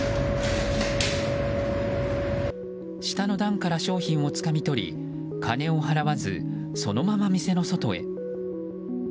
下の段から商品をつかみ取り金を払わず、そのまま店の外へ。